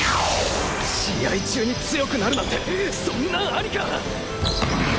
試合中に強くなるなんてそんなんアリか！？